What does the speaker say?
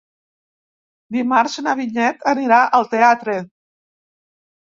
Dimarts na Vinyet anirà al teatre.